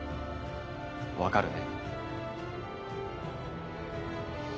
分かるね？